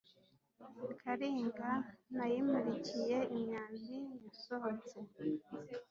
Kalinga nayimulikiye imyambi yasohotse